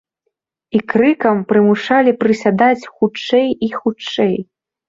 І крыкам прымушалі прысядаць хутчэй і хутчэй.